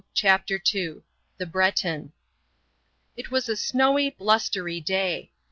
CHAPTER TWO THE BRETON It was a snowy, blustery day.